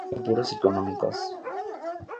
No pasó nunca apuros económicos.